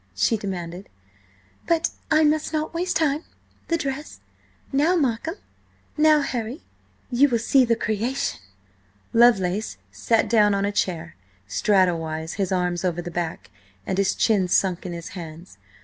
she demanded. "But I must not waste time–the dress! Now, Markham–now Harry–you will see the creation!" Lovelace sat down on a chair, straddle wise, his arms over the back, and his chin sunk in his hands.